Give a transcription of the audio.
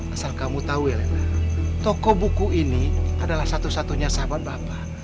asal kamu tahu ya lena toko buku ini adalah satu satunya sahabat bapak